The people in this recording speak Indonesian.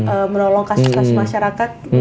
untuk menolong kasus kasus masyarakat